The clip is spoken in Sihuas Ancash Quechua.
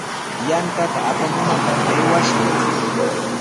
Yantata apamunapaq aywashun.